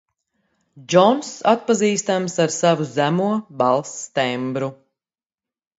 Džonss atpazīstams ar savu zemo balss tembru.